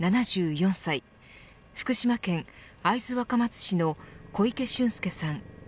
７４歳福島県会津若松市の小池駿介さん